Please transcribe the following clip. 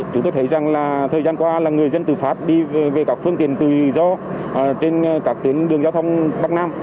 chúng tôi thấy rằng là thời gian qua là người dân từ pháp đi về các phương tiện tự do trên các tuyến đường giao thông bắc nam